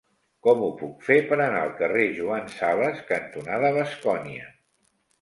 Com ho puc fer per anar al carrer Joan Sales cantonada Bascònia?